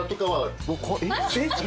えっ！？